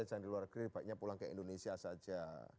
jangan di luar negeri baiknya pulang ke indonesia saja